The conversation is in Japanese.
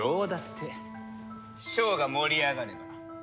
ショーが盛り上がれば。